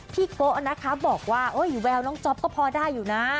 โกะนะคะบอกว่าแววน้องจ๊อปก็พอได้อยู่นะ